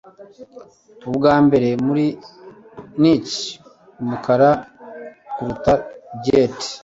Ubwa mbere muri niche umukara kuruta jet